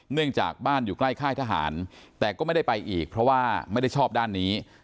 เนื่องจากบ้านอยู่ใกล้ค่ายทหารแต่ก็ไม่ได้ไปอีกเพราะว่าไม่ได้ชอบด้านนี้